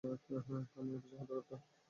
আমিই অফিসের হর্তাকর্তা।